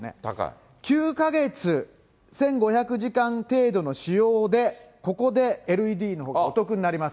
９か月、１５００時間程度の使用で、ここでＬＥＤのほうがお得になります。